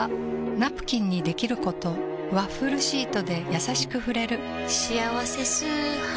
ナプキンにできることワッフルシートでやさしく触れる「しあわせ素肌」